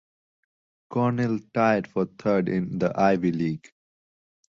Cornell tied for third in the Ivy League.